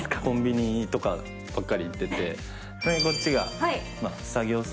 コンビニとかばっかり行っててちなみにこっちが作業